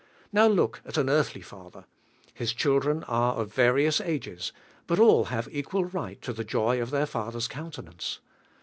Now look at an earthly father. His children are of various ages, hut. all have equal right to the joy of their father's countenance.